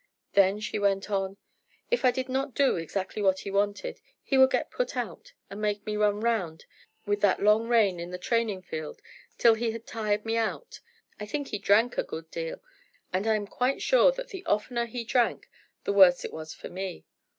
Then she went on: "If I did not do exactly what he wanted, he would get put out, and make me run round with that long rein in the training field till he had tired me out. I think he drank a good deal, and I am quite sure that the oftener he drank the worse it was for me.